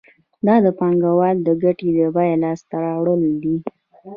دا د پانګوال د ګټې د بیې لاس ته راوړل دي